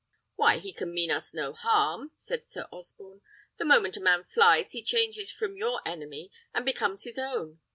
"Why, he can mean us no harm," said Sir Osborne. "The moment a man flies he changes from your enemy and becomes his own.